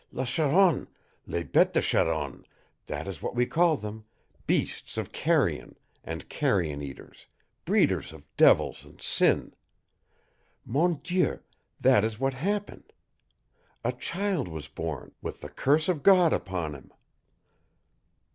La Charogne les bêtes de charogne that is what we call them beasts of carrion and carrion eaters, breeders of devils and sin! Mon Dieu, that is what happened! A child was born, with the curse of God upon him!"